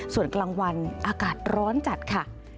ส่วนกลางวันอากาศร้อนจัดค่ะ